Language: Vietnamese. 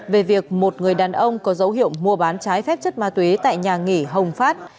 về việc một người đàn ông có dấu hiệu mua bán trái phép chất ma túy tại nhà nghỉ hồng phát